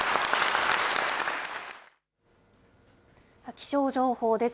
気象情報です。